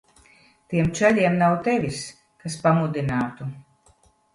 Tiem čaļiem nav tevis, kas pamudinātu.